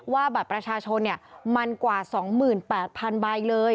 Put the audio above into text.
ว่าบัตรประชาชนมันกว่า๒๘๐๐๐ใบเลย